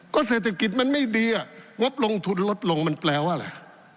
ก็เศรษฐกิจมันไม่ดีงบลงทุนลดลงมันแปลว่าอะไร